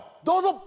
どうぞ！